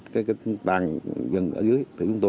cơ bản như